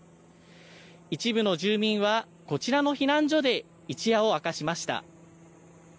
一部の住民は、こちらの避難所で一夜を明かしました。